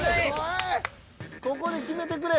ここで決めてくれ。